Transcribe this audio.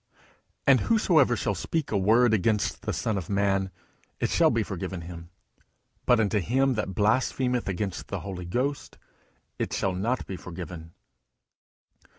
_And whosoever shall speak a word against the Son of man, it shall be forgiven him: but unto him that blasphemeth against the Holy Ghost, it shall not be forgiven.